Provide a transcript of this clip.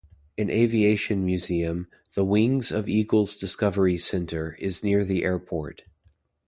An aviation museum, the "Wings of Eagles Discovery Center", is near the airport.